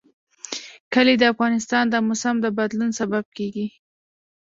کلي د افغانستان د موسم د بدلون سبب کېږي.